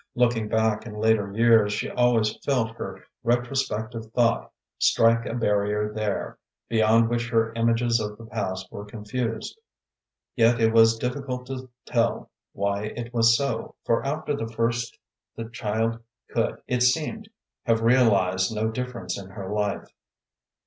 Looking back in later years, she always felt her retrospective thought strike a barrier there, beyond which her images of the past were confused. Yet it was difficult to tell why it was so, for after the first the child could, it seemed, have realized no difference in her life.